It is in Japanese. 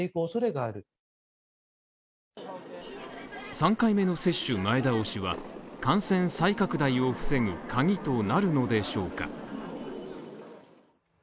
３回目の接種前倒しは感染再拡大を防ぐ鍵となるのでしょうか？